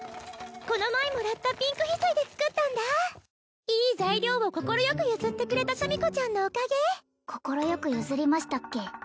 この前もらったピンク翡翠で作ったんだいい材料を快く譲ってくれたシャミ子ちゃんのおかげ快く譲りましたっけ？